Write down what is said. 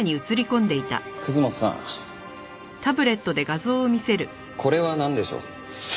本さんこれはなんでしょう？